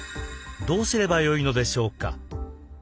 どうすればよいのでしょうか？